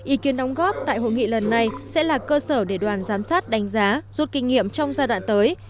ý kiến đóng góp tại hội nghị lần này sẽ là cơ sở để đoàn giám sát đánh giá rút kinh nghiệm trong giai đoạn tới